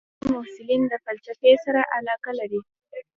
ځینې محصلین د فلسفې سره علاقه لري.